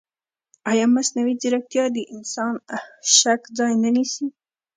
ایا مصنوعي ځیرکتیا د انساني شک ځای نه نیسي؟